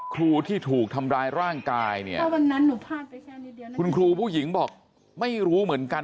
ครูที่ถูกทำร้ายร่างกายเนี่ยคุณครูผู้หญิงบอกไม่รู้เหมือนกัน